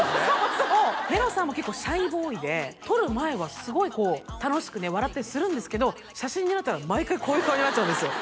そうそうそうネロさんも結構シャイボーイで撮る前はすごいこう楽しくね笑ったりするんですけど写真になったら毎回こういう顔になっちゃうんですよ